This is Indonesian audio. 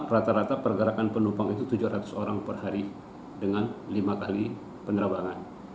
rata rata pergerakan penumpang itu tujuh ratus orang per hari dengan lima kali penerbangan